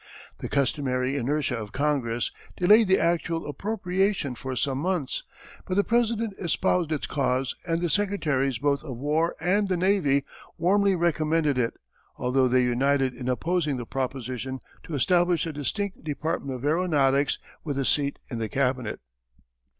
The customary inertia of Congress delayed the actual appropriation for some months. But the President espoused its cause and the Secretaries both of War and the Navy warmly recommended it, although they united in opposing the proposition to establish a distinct department of aeronautics with a seat in the Cabinet.